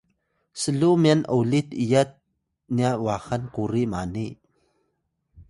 s’luw myan olit iyat nya wahan kuri mani